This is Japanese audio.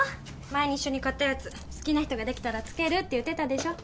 前に一緒に買ったやつ好きな人ができたらつけるって言ってたでしょ